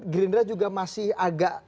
grindra juga masih agak